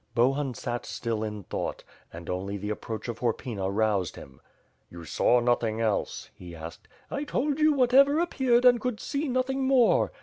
Bohun sat still in thought, and only the approach of Hor pyna roused him. "You saw nothing else?" he asked. "I told you whatever appeared and could see nothing more.